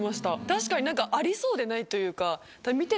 確かにありそうでないというか。